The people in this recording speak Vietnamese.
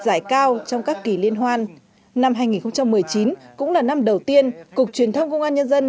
giải cao trong các kỳ liên hoan năm hai nghìn một mươi chín cũng là năm đầu tiên cục truyền thông công an nhân dân